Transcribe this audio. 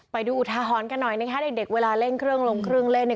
อุทาหรณ์กันหน่อยนะคะเด็กเวลาเล่นเครื่องลงเครื่องเล่นเนี่ย